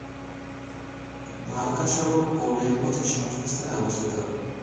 ভালগা সড়ক ও রেলপথের সংযোগস্থলে অবস্থিত।